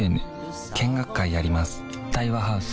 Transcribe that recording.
見学会やります